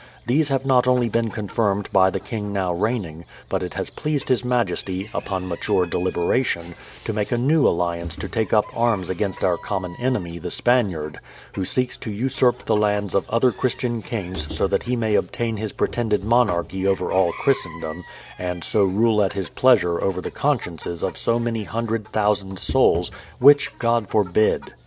These have not only been confirmed by the king now reigning, but it has pleased his majesty, upon mature deliberation, to make a new alliance to take up arms against our common enemy the Spaniard, who seeks to usurp the lands of other Christian kings so that he may obtain his pretended mon archy over all Christendom, and so rule at his pleasure over the 184 BRADFORD'S HISTORY OF consciences of so many hundred thousand souls; which God forbid!